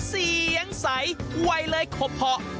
เสียงใสไวเลยขบเพาะ